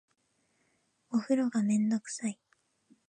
お風呂がめんどくさい